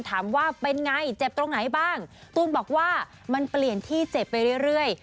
ถามว่าเป็นไงเจ็บตรงไหนบ้างตูนบอกว่ามันเปลี่ยนที่เจ็บไปเรื่อย